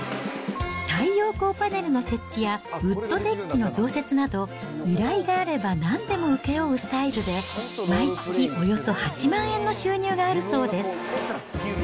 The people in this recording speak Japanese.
太陽光パネルの設置やウッドデッキの増設など、依頼があればなんでも請け負うスタイルで、毎月およそ８万円の収入があるそうです。